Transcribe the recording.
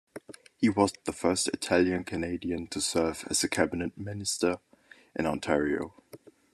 He was the first Italian-Canadian to serve as a cabinet minister in Ontario.